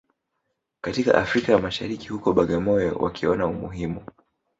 katika Afrika ya Mashariki huko Bagamoyo wakiona umuhimu